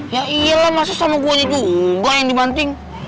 ya iyalah masa sama gue juga yang dibanting